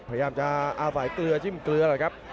พยายามจะอาฝัยเกลือจิ้มเกลือ